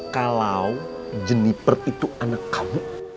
kalau jenipert itu anak kamu